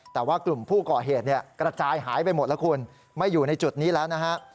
แต่ว่ากลุ่มผู้ก่อเหตุเนี่ยกระจายหายไปหมดแล้วคุณไม่อยู่ในจุดนี้แล้วนะฮะ